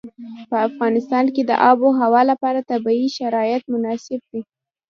په افغانستان کې د آب وهوا لپاره طبیعي شرایط مناسب دي.